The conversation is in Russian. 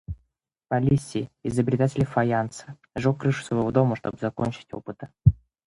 Паллиси, изобретатель фаянса, сжег крышу своего дома, чтобы закончить опыты.